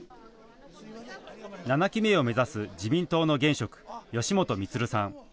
７期目を目指す自民党の現職、吉本充さん。